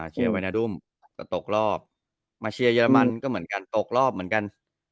เชียร์ไวนาดุ้มจะตกรอบมาเชียร์เรมันก็เหมือนกันตกรอบเหมือนกัน